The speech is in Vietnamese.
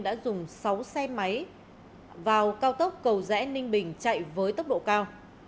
đã dùng sáu xe máy vào cao tốc cầu rẽ ninh bình chạy với tốc độ cao